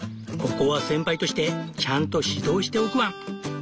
ここは先輩としてちゃんと指導しておくワン！